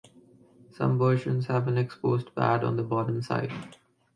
Some versions have an exposed pad on the bottom side.